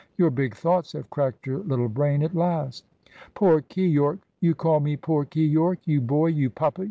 "Your big thoughts have cracked your little brain at last." "Poor Keyork? You call me poor Keyork? You boy! You puppet!